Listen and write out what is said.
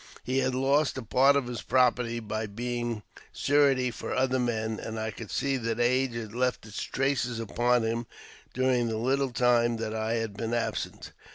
He had lost a part of his property by being surety for other men, and I could see that age had left its traces upon him during the little time that I had been absent.